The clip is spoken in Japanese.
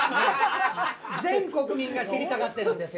全国民が知りたがってるんですよ。